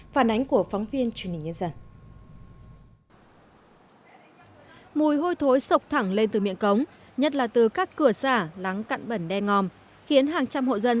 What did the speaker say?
phản ánh của phóng viên truyền hình nhân dân